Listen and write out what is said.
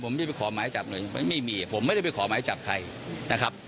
ผมไม่ได้ไปขอหมายจับไม่มีผมไม่ได้ไปขอหมายจับใคร